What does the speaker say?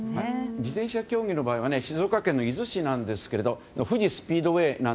自転車競技の場合は静岡県の富士市ですが富士スピードウェイ。